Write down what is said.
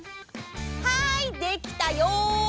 はいできたよ！